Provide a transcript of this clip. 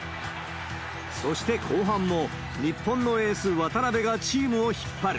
そして後半も、日本のエース、渡邊がチームを引っ張る。